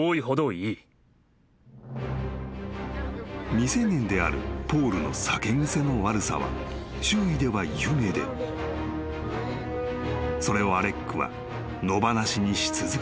［未成年であるポールの酒癖の悪さは周囲では有名でそれをアレックは野放しにし続けていた］